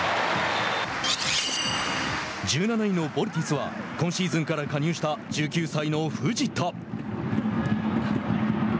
１７位のヴォルティスは今シーズンから加入した１９歳の藤田。